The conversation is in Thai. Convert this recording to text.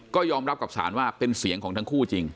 ก็ยอมรับกับศาลว่าเป็นเสียงของทั้งคู่จริง